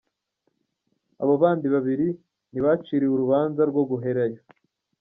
Abo bandi babiri ntibaciriwe urubanza rwo guherayo.